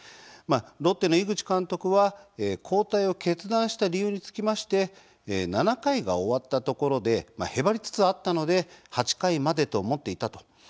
ロッテの井口監督は交代を決断した理由につきまして７回が終わったところでへばりつつあったので８回までと思っていたと。